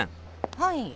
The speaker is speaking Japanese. はい。